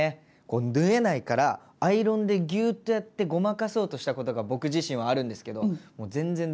縫えないからアイロンでぎゅーっとやってごまかそうとしたことが僕自身はあるんですけどもう全然駄目でした。